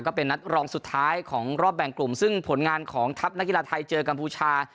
ก็เป็นนัดรองสุดท้ายของรอบแบ่งกลุ่มซึ่งผลงานของทัพนักกีฬาไทยเจอกัมพูชา